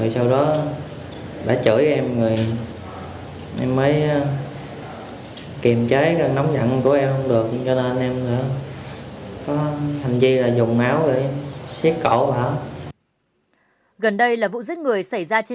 sau đó bà phượng chửi em em mới kiềm chế nóng giận của em không được